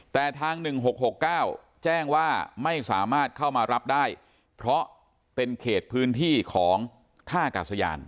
แต่ทาง๑๖๖๙แจ้งว่าไม่สามารถเข้ามารับได้เพราะเป็นเขตพื้นที่ของท่ากาศยาน